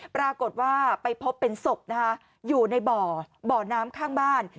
ปรากฏว่าไปพบเป็นศพนะคะอยู่ในบ่อบ่อน้ำข้างบ้าน